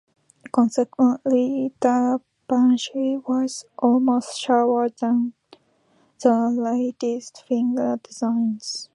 Consequently, the Banshee was almost slower than the latest fighter designs.